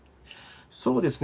そうですね。